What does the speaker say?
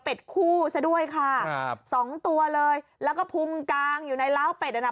เป็นคู่ซะด้วยค่ะครับสองตัวเลยแล้วก็พุงกางอยู่ในล้าวเป็ดอ่ะน่ะ